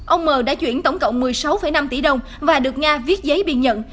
ông m đã chuyển tổng cộng một mươi sáu năm tỷ đồng và được nga viết giấy biên nhận